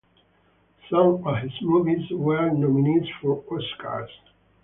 Some of his movies were nominees for Oscars.